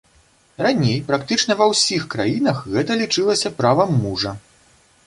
Раней практычна ва ўсіх краінах гэта лічылася правам мужа.